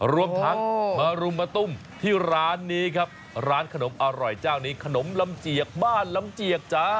รวมทั้งมารุมมาตุ้มที่ร้านนี้ครับร้านขนมอร่อยเจ้านี้ขนมลำเจียกบ้านลำเจียกจ้า